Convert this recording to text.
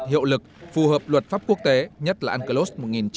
hiệu lực phù hợp luật pháp quốc tế nhất là unclos một nghìn chín trăm tám mươi hai